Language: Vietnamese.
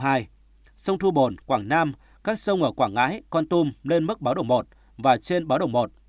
thượng lưu các sông ở ngày an sông thu bồn quảng nam các sông ở quảng ngãi quảng tùm lên mức báo đồng một và trên báo đồng một